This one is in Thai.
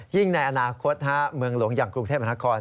ในอนาคตเมืองหลวงอย่างกรุงเทพมหานคร